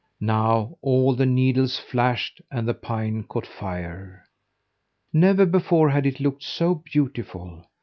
Now all the needles flashed, and the pine caught fire. Never before had it looked so beautiful!